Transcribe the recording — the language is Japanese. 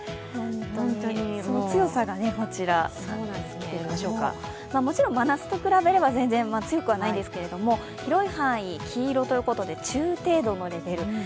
強さがこちらですけれども、もちろん真夏と比べれば全然強くはないんですけど広い範囲、黄色ということで中程度のレベル。